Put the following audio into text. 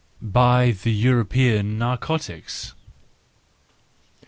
—By the European narcotics.